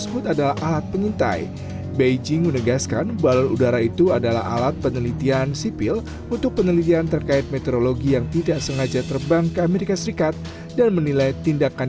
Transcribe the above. mereka berhasil menembaknya dan saya ingin mengucapkan salam kepada aviator aviator kita yang melakukan ini dan kita akan mendapatkan lebih banyak laporan tentang ini nanti